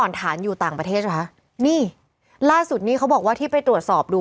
ว่าก่อนฐานอยู่ต่างประเทศคะนี่ล่าสุดงี้เขาบอกว่าที่ไปตรวจสอบดู